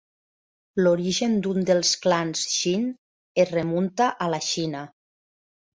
L'origen d'un dels clans shin es remunta a la Xina.